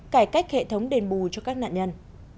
cải cách hệ thống đền bù cho các nạn nhân